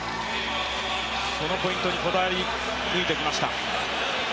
このポイントにこだわり抜いてきました。